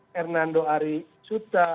hernando ari suta